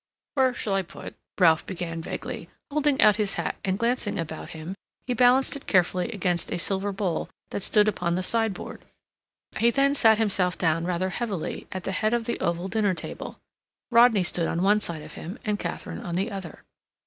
"Where shall I put—" Ralph began vaguely, holding out his hat and glancing about him; he balanced it carefully against a silver bowl that stood upon the sideboard. He then sat himself down rather heavily at the head of the oval dinner table. Rodney stood on one side of him and Katharine on the other.